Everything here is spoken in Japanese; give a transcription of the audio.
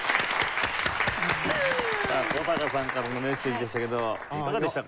さあ古坂さんからのメッセージでしたけどいかがでしたか？